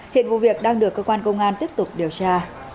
hiện vụ việc đang được cơ quan công an tiếp tục điều tra